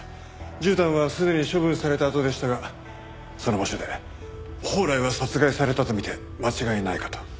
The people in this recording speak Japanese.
絨毯はすでに処分されたあとでしたがその場所で宝来は殺害されたとみて間違いないかと。